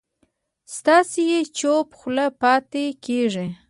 ستایي یې چوپه خوله پاتې کېږي